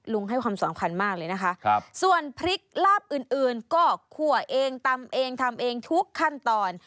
ให้ความสำคัญมากเลยนะคะส่วนพริกลาบอื่นก็คั่วเองตำเองทำเองทุกขั้นตอน